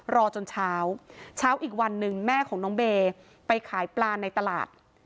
รอจนเช้าเช้าอีกวันหนึ่งแม่ของน้องเบย์ไปขายปลาในตลาด